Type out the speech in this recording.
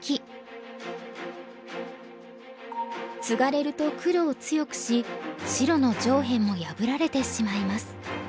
ツガれると黒を強くし白の上辺も破られてしまいます。